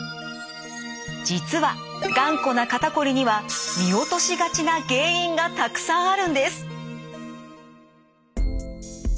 実はがんこな肩こりには見落としがちな原因がたくさんあるんです。